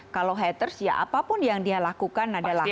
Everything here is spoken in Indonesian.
kalau haters ya apapun yang dia lakukan adalah